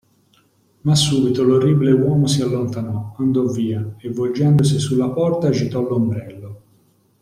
Ma subito l'orribile uomo si allontanò, andò via, e volgendosi sulla porta agitò l'ombrello.